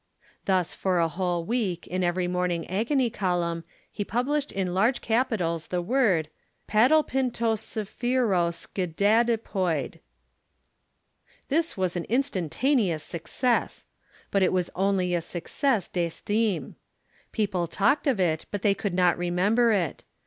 "'Thus for a whole week in every morning agony column he published in large capitals the word: "'Paddlepintospheroskedaddepoid. This was an instantaneous success. But it was only a succès d'estime. People talked of it, but they could not remember it.